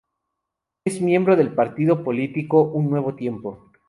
Es miembro del partido político Un Nuevo Tiempo.